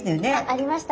ありました。